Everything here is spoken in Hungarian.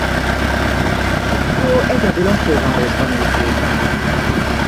Metró egyedül a fővárosban épült ki.